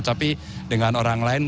tapi dengan orang lain